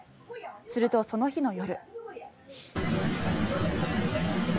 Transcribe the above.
すると、その日の夜。